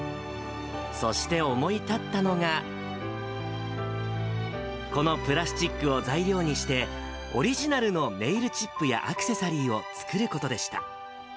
そして思い立ったのが、このプラスチックを材料にして、オリジナルのネイルチップやアクセサリーを作ることでした。